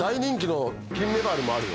金メバルもあるよ。